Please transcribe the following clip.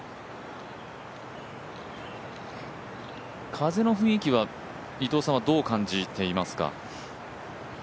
風の雰囲気は伊藤さんはどう感じていますか。